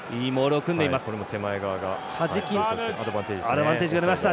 アドバンテージが出ました。